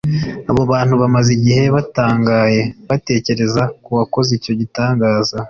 Abo bantu bamaze igihe batangaye batekereza k’uwakoze icyo gitangaza